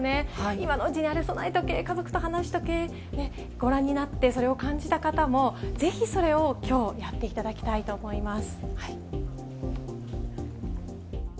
今のうちにあれ備えとけ、家族と話しとけ、ご覧になって、それを感じた方も、ぜひそれをきょう、やっていただきたいと思います。